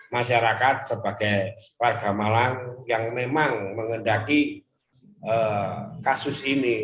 masyarakat sebagai warga malang yang memang mengendaki kasus ini